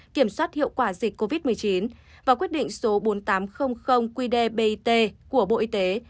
kiểm soát hiệu quả dịch covid một mươi chín và quyết định số bốn nghìn tám trăm linh qdbit của bộ y tế